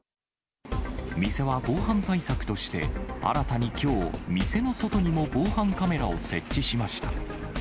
店は防犯対策として新たにきょう、店の外にも防犯カメラを設置しました。